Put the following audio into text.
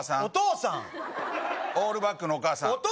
お義父さんオールバックのお義母さん